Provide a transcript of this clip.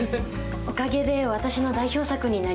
おかげで私の代表作になりました。